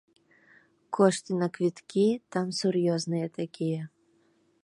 Кошты на квіткі там сур'ёзныя такія.